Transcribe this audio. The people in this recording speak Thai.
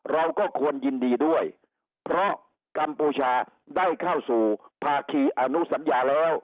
เราก็ควรยินดีด้วยเพราะกัมพูชาได้เข้าสู่ภาคีอนุสัญญาแล้ว